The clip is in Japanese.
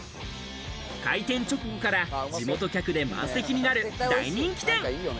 開店直後から地元客で満席になる大人気店。